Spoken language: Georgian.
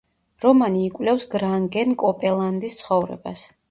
რომანი იკვლევს გრანგენ კოპელანდის ცხოვრებას.